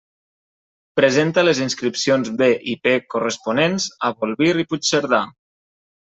Presenta les inscripcions B i P corresponents a Bolvir i Puigcerdà.